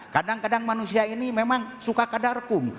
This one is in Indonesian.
kadang kadang manusia ini memang suka kadarkum